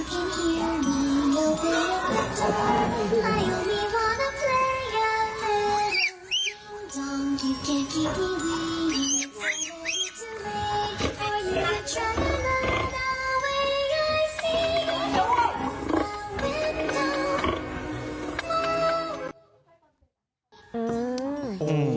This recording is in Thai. คุณผู้ชมครับ